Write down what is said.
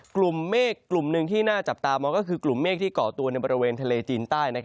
กลุ่มเมฆกลุ่มหนึ่งที่น่าจับตามองก็คือกลุ่มเมฆที่เกาะตัวในบริเวณทะเลจีนใต้